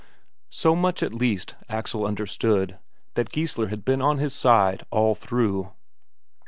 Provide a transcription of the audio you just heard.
So much at least Axel understood, that Geissler had been on his side all through.